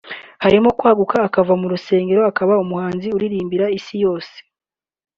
harimo kwaguka akava mu rusengero akaba umuhanzi uririmbira isi yose